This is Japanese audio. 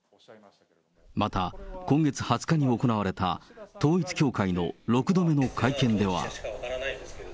また、今月２０日に行われた統一教会の６度目の会見では。